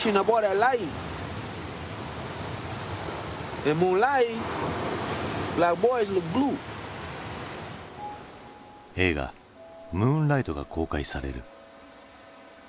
映画「ムーンライト」が公開される。